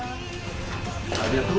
ありがとう。